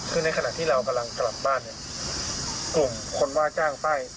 คือในขณะที่เรากำลังกลับบ้านคนว่าแบบว่าจ้างไป